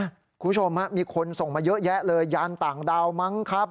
คุณผู้ชมฮะมีคนส่งมาเยอะแยะเลยยานต่างดาวมั้งครับ